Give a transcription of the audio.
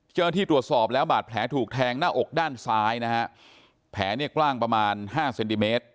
เจ้าหน้าที่ตรวจสอบแล้วบาดแผลถูกแทงหน้าอกด้านซ้ายนะฮะแผลเนี่ยกว้างประมาณห้าเซนติเมตร